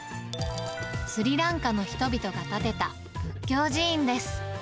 スリランカの人々が建てた仏教寺院です。